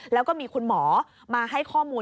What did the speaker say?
แล้วก็มีคุณหมอมาให้ข้อมูล